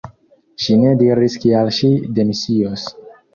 Ŝi ne diris kial ŝi demisios.